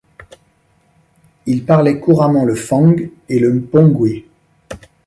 Il parlait couramment le Fang et le Mpongwé.